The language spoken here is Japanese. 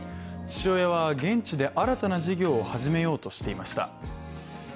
父親は現地で新たな事業を始めようとしていました。